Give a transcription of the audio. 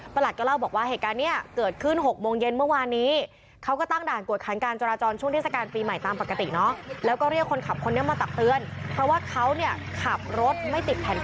ประหลัดก็เรียนไปว่าเหตุการณ์นี้เกิดขึ้นถึง